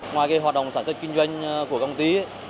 ngoài hoạt động sản xuất kinh doanh của công ty